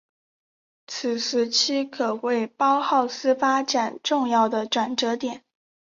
此时期可谓包浩斯发展重要的转捩点。